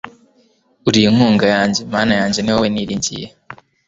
uri inkunga yanjye, mana yanjye, ni wowe niringiye